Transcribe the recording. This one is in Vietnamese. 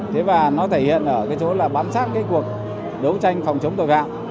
thế và nó thể hiện ở cái chỗ là bám sát cái cuộc đấu tranh phòng chống tội phạm